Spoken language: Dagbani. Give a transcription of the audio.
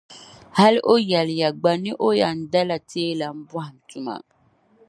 Hali o yɛliya gba ni o yɛn dala teela m-bɔhim tuma.